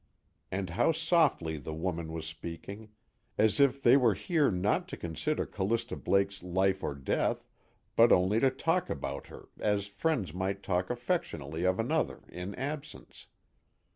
And how softly the woman was speaking! as if they were here not to consider Callista Blake's life or death but only to talk about her as friends might talk affectionately of another in absence.